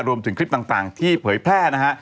รวมถึงคลิปต่างที่เผยแพร่นะฮะ